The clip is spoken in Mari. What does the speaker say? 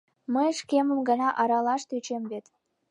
Мый шкемым гына аралаш тӧчем вет!..